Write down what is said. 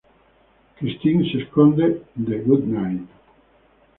Christine se esconde de Goodnight.